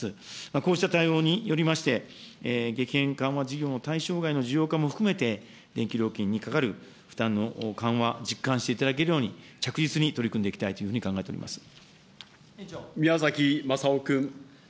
こうした対応によりまして、激変緩和事業の対象外の事業家も含めて、電気料金にかかる負担の緩和、実感していただけるように着実に取り組んでいきたいという宮崎雅夫君。